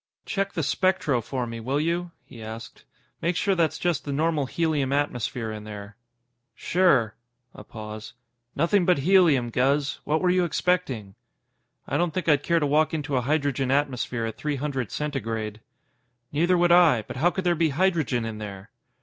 "Check the spectro for me, will you?" he asked. "Make sure that's just the normal helium atmosphere in there." "Sure." A pause. "Nothing but helium, Guz. What were you expecting?" "I don't think I'd care to walk into a hydrogen atmosphere at three hundred Centigrade." "Neither would I, but how could there be hydrogen in there?"